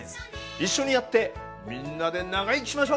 一緒にやってみんなで長生きしましょう！